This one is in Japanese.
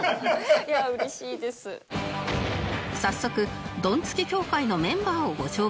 早速ドンツキ協会のメンバーをご紹介